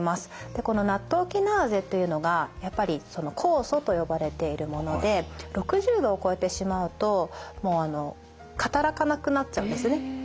でこのナットウキナーゼっていうのがやっぱり酵素と呼ばれているもので６０度を超えてしまうともうあの働かなくなっちゃうんですね。